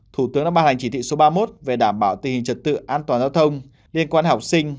thủ tướng đã ban hành chỉ thị số ba mươi một về đảm bảo tình hình trật tự an toàn giao thông liên quan học sinh